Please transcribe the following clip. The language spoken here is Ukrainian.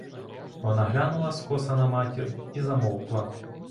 Вона глянула скоса на матір і замовкла.